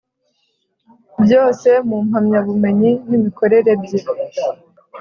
Byose mu mpamyabumenyi n imikorere bye